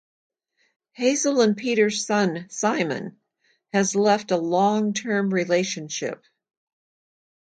Hazel and Peter's son, Simon, has left a long-term relationship.